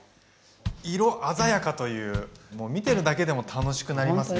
色鮮やかというもう見てるだけでも楽しくなりますね。